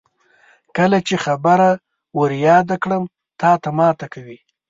کله چې خبره ور یاده کړم تاته ماته کوي.